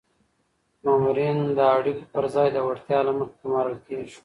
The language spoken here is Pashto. مامورین د اړیکو پر ځای د وړتیا له مخې ګمارل کیږي.